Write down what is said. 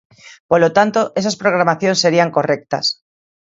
Polo tanto, esas programacións serían correctas.